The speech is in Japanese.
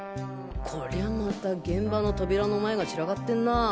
こりゃまた現場の扉の前が散らかってんな。